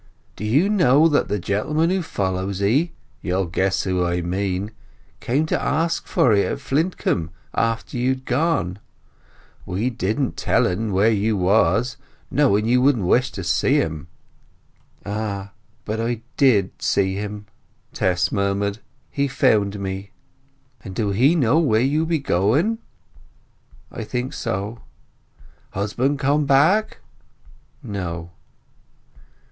"Do you know that the gentleman who follows 'ee—you'll guess who I mean—came to ask for 'ee at Flintcomb after you had gone? We didn't tell'n where you was, knowing you wouldn't wish to see him." "Ah—but I did see him!" Tess murmured. "He found me." "And do he know where you be going?" "I think so." "Husband come back?" "No."